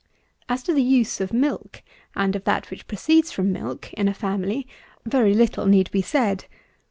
111. As to the use of milk and of that which proceeds from milk, in a family, very little need be said.